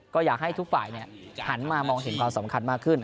ก็อยากให้ทุกฝ่ายหันมามองเห็นความสำคัญมากขึ้น